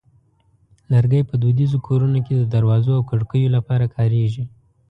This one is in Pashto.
لرګی په دودیزو کورونو کې د دروازو او کړکیو لپاره کارېږي.